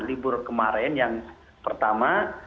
libur kemarin yang pertama